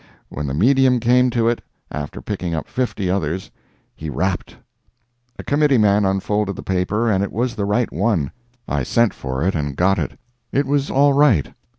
When the medium came to it, after picking up fifty others, he rapped! A committee man unfolded the paper and it was the right one. I sent for it and got it. It was all right.